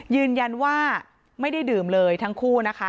ยืนยันว่าไม่ได้ดื่มเลยทั้งคู่นะคะ